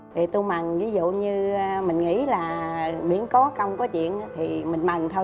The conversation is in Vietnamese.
thì tôi mần ví dụ như mình nghĩ là miễn có công có chuyện thì mình mần thôi